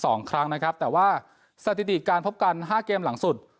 สองครั้งนะครับแต่ว่าสถิติการพบกันห้าเกมหลังสุด